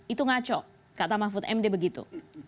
itu ngaco kata mahfud md begitu